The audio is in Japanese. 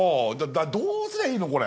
どうすりゃいいのこれ！